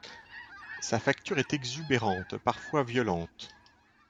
Sa facture est exubérante, parfois violente.